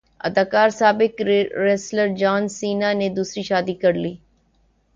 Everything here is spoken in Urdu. اداکار سابق ریسلر جان سینا نے دوسری شادی کرلی